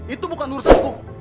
itu bukan urusan bu